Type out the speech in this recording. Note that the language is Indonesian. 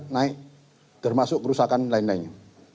naik termasuk kerusakan lain lainnya